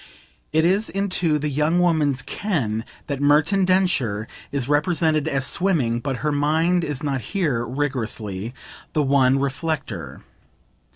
It is into the young woman's "ken" that Merton Densher is represented as swimming; but her mind is not here, rigorously, the one reflector.